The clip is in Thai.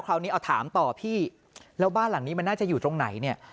คราวนี้เอาถามต่อพี่แล้วบ้านหลังนี้มันน่าจะอยู่ตรงไหนเนี่ย